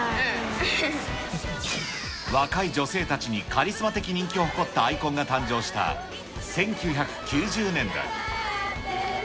若い女性たちにカリスマ的人気を誇ったアイコンが誕生した１９９０年代。